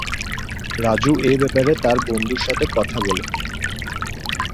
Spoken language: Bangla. রাজু এ ব্যাপারে তার বন্ধু বাবুর সাথে কথা বলে।